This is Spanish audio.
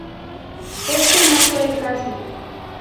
Éste no fue el caso.